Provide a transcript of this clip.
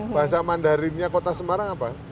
bahasa mandarinnya kota semarang apa